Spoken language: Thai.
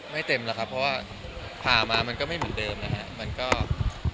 ไม่เต็มเหรอครับเพราะพามามันไม่เหมือนเดิมนะครับ